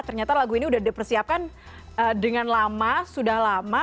ternyata lagu ini sudah dipersiapkan dengan lama sudah lama